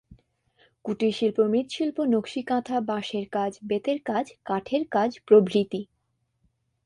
কুটিরশিল্প মৃৎশিল্প, নকশি কাঁথা, বাঁশের কাজ, বেতের কাজ, কাঠের কাজ প্রভৃতি।